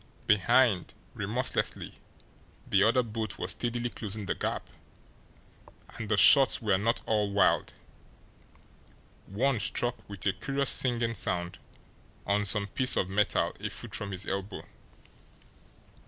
Behind, remorselessly, the other boat was steadily closing the gap; and the shots were not all wild one struck, with a curious singing sound, on some piece of metal a foot from his elbow.